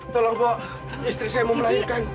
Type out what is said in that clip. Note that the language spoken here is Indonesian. tolong kok istri saya mau melahirkan